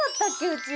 うち。